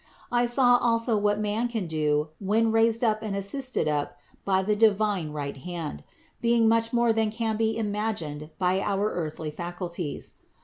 I saw also what man can do when raised up and assisted up by the divine right hand, being much more than can be imagined by our earthly faculites.